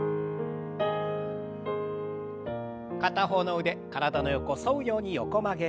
片方の腕体の横沿うように横曲げ。